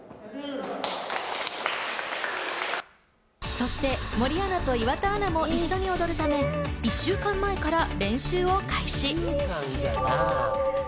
そして森アナと岩田アナも一緒に踊るため、１週間前から練習を開始。